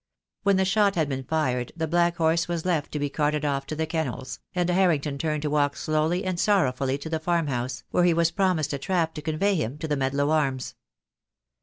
When the shot had been fired the black horse was left to be carted off to the kennels, and Harrington turned to walk slowly and sorrowfully to the farmhouse, where he was promised a trap to convey him to the "Medlow Arms."